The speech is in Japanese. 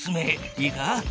いいか。